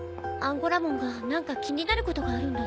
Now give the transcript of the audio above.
アンゴラモンが何か気になることがあるんだって。